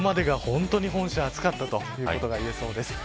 今までが本当に本州暑かったということが言えそうです。